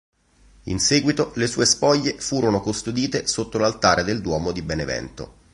In seguito, le sue spoglie furono custodite sotto l'altare del duomo di Benevento.